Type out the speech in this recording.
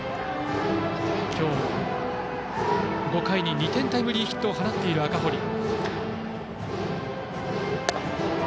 ５回に２点タイムリーヒットを放っている赤堀。